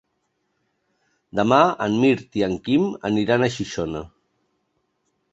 Demà en Mirt i en Quim aniran a Xixona.